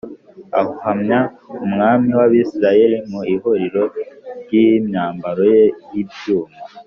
ahamya umwami w’Abisirayeli mu ihuriro ry’imyambaro ye y’ibyuma